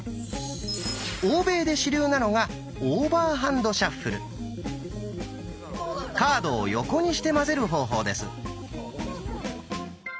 欧米で主流なのがカードを横にして混ぜる方法です。